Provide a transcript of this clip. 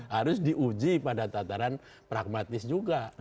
harus diuji pada tataran pragmatis juga